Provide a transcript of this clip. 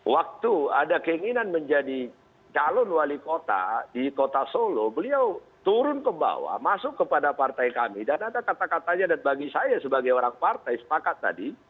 waktu ada keinginan menjadi calon wali kota di kota solo beliau turun ke bawah masuk kepada partai kami dan ada kata katanya dan bagi saya sebagai orang partai sepakat tadi